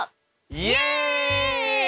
イエイ！